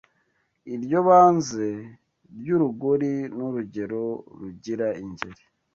Iryo banze ry’urugori N’urugero rugira ingeri